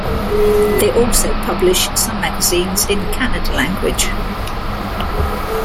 They also publish some magazines in Kannada language.